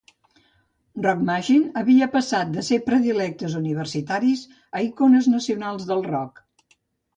Rock Machine havia passat de ser "predilectes universitaris" a icones nacionals del rock.